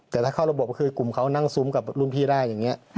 แต่ถ้าเข้าระบบก็คือกลุ่มเขานั่งซุ้มกับรุ่นพี่ได้อย่างนี้